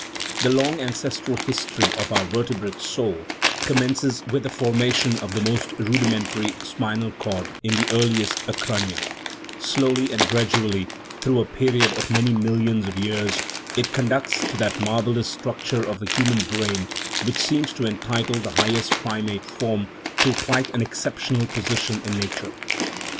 The long ancestral history of our " vertebrate soul " commences with the formation of the most rudimentary spinal cord in the earliest acrania ; slowly and gradu ally, through a period of many millions of years, it conducts to that marvellous structure of the human brain which seems to entitle the highest primate form to quite an exceptional position in nature.